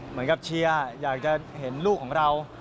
เหมือนกับเชียร์อยากจะเห็นลูกของเรา